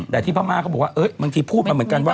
แต่ที่พม่าเขาบอกว่าบางทีพูดมาเหมือนกันว่า